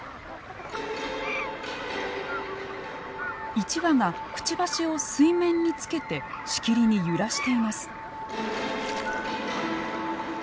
１羽がくちばしを水面につけてしきりに揺らしています。